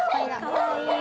かわいい。